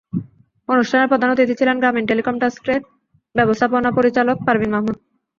অনুষ্ঠানে প্রধান অতিথি ছিলেন গ্রামীণ টেলিকম ট্রাস্টের ব্যবস্থাপনা পরিচালক পারভীন মাহমুদ।